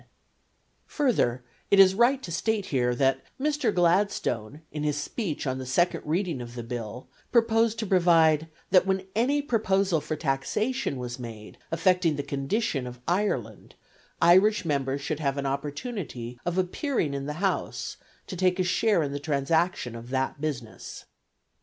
Further, it is right to state here that Mr. Gladstone in his speech on the second reading of the Bill proposed to provide, "that when any proposal for taxation was made affecting the condition of Ireland, Irish members should have an opportunity of appearing in the House to take a share in the transaction of that business."